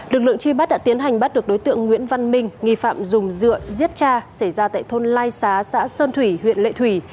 lực lượng truy bắt đã tiến hành bắt được đối tượng nguyễn văn minh nghi phạm dùng dựa giết cha xảy ra tại thôn lai xá xã sơn thủy huyện lệ thủy